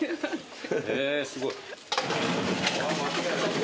へえすごい。